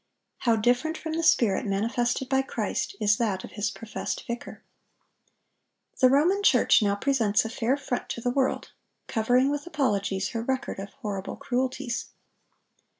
(1004) How different from the spirit manifested by Christ is that of His professed vicar. The Roman Church now presents a fair front to the world, covering with apologies her record of horrible cruelties.